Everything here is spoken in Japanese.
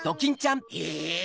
え！